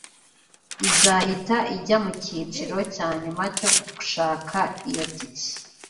izahita ijya mu cyiciro cya nyuma cyo gushaka iyo tike